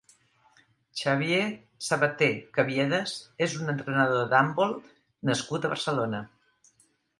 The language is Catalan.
Xavier Sabaté Caviedes és un entrenador d'handbol nascut a Barcelona.